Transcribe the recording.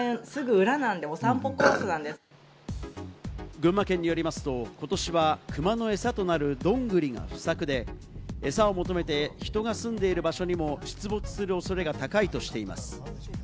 群馬県によりますと、ことしはクマの餌となるドングリが不作で、餌を求めて人が住んでいる場所にも出没するおそれが高いとしています。